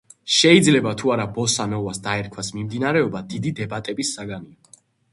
შეიძლება თუ არა ბოსა-ნოვას დაერქვას მიმდინარეობა დიდი დებატების საგანია.